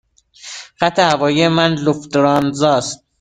خط هوایی من لوفتانزا است.